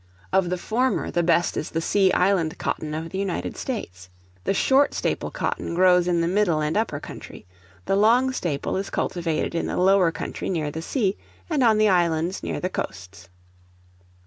Of the former the best is the sea island cotton of the United States. The short staple cotton, grows in the middle and upper country; the long staple is cultivated in the lower country near the sea, and on the islands near the coasts.